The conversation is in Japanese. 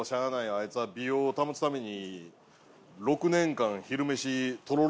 あいつは美容を保つために６年間昼メシとろろ